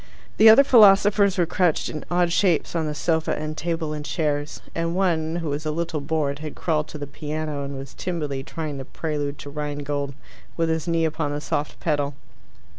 The other philosophers were crouched in odd shapes on the sofa and table and chairs, and one, who was a little bored, had crawled to the piano and was timidly trying the Prelude to Rhinegold with his knee upon the soft pedal.